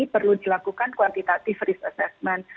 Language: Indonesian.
perlu dilakukan kuantitatif risk assessment